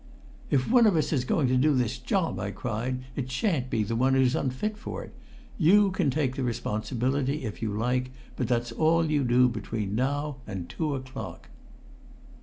"If one of us is going to do this job," I cried, "it shan't be the one who's unfit for it. You can take the responsibility, if you like, but that's all you do between now and two o'clock!"